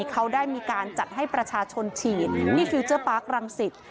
เขาได้มีการจัดให้ประชาชนฉีดที่ฟิลเจอร์ปาร์ครังสิต